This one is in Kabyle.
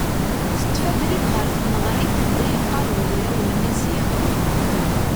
Teṭṭef abrid ɣer tneɣrit anda qqaren ugraw n Maziɣ.